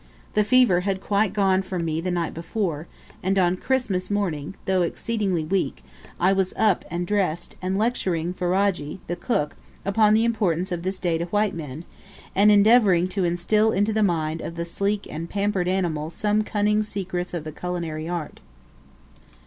The fever had quite gone from me the night before, and on Christmas morning, though exceedingly weak, I was up and dressed, and lecturing Ferajji, the cook, upon the importance of this day to white men, and endeavouring to instil into the mind of the sleek and pampered animal some cunning secrets of the culinary art.